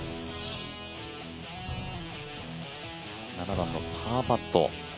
７番のパーパット。